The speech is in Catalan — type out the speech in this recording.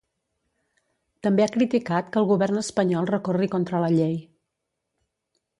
També ha criticat que el govern espanyol recorri contra la llei.